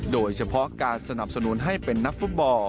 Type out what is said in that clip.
โดยเฉพาะการสนับสนุนให้เป็นนักฟุตบอล